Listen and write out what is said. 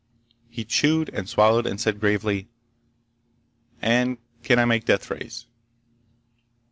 He chewed, and swallowed, and said gravely: "And can I make deathrays?"